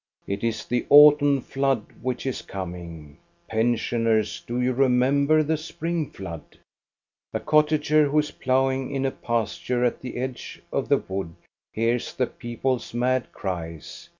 It is the autumn flood which is coming. Pen sioners, do you remember the spring flood? A cottager who is ploughing in a pasture at the edge of the wood hears the people's mad cries.